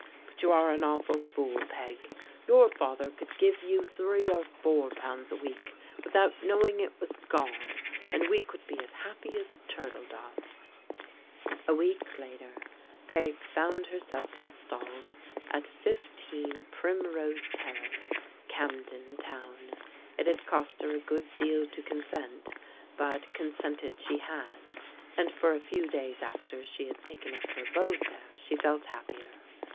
But you are an awful fool. Peg. Your father could give you three or four pounds a week with out knowing it was gone, and we could be as happy as turtle doves." A week later Peg found herself installed at 15, Prim rose Terrace, Camden Town. It had cost her a good deal to consent, but consented she had, and for a few days after she had taken up her abode there, she felt happier.